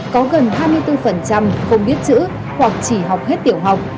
có gần hai mươi bốn không biết chữ hoặc chỉ học hết tiểu học